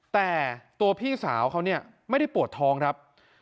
แต่ตัวพี่สาวเขาเนี่ยไม่ได้ปวดท้องครับ